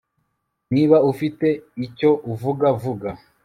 niba ufite icyo uvuga, vuga